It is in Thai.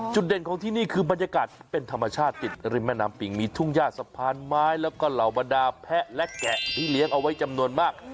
เด่นของที่นี่คือบรรยากาศเป็นธรรมชาติติดริมแม่น้ำปิงมีทุ่งย่าสะพานไม้แล้วก็เหล่าบรรดาแพะและแกะที่เลี้ยงเอาไว้จำนวนมาก